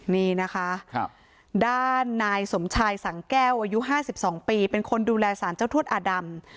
นี่นะคะด้านนายสมชายสังแก้วอายุ๕๒ปีเป็นคนดูแลสารเจ้าทวดอาดำ